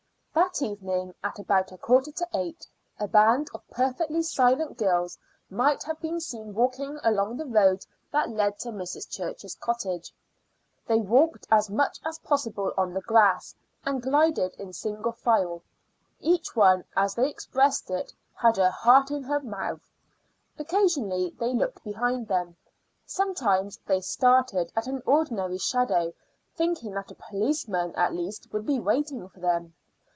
That evening at about a quarter to eight a band of perfectly silent girls might have been seen walking along the road that led to Mrs. Church's cottage. They walked as much as possible on the grass, and glided in single file. Each one, as they expressed it, had her heart in her mouth. Occasionally they looked behind them; sometimes they started at an ordinary shadow, thinking that a policeman at least would be waiting for them.